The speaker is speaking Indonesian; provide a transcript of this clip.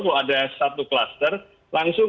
kalau ada satu kluster langsung